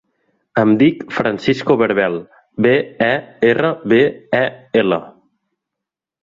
Em dic Francisco Berbel: be, e, erra, be, e, ela.